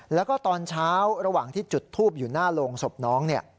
แล้วก็ตอนเช้าระหว่างที่จุดทูบอยู่หน้าโรงศพน้อง